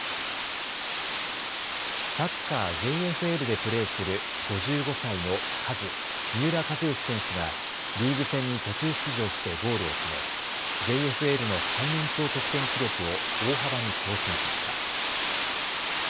サッカーＪＦＬでプレーする５５歳のカズ、三浦知良選手がリーグ戦に途中出場してゴールを決めＪＦＬの最年長得点記録を大幅に更新しました。